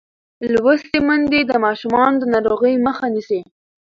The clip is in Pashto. لوستې میندې د ماشومانو د ناروغۍ مخه نیسي.